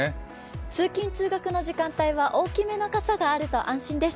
通勤・通学の時間帯は大きめの傘があると安心です。